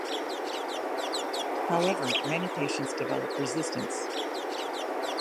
However, many patients develop resistance.